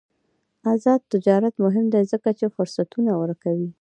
آزاد تجارت مهم دی ځکه چې فرصتونه ورکوي.